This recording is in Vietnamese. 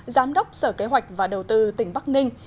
giám đốc sở kế hoạch và đầu tư tỉnh bắc ninh